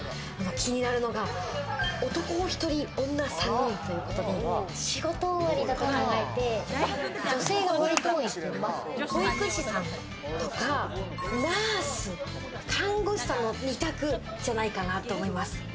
気になるのが男１人、女３人ということで、仕事終わりだと考えて女性が多い現場、保育士さんとかナース、看護師さんの２択じゃないかなと思います。